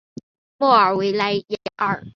莫尔维莱尔。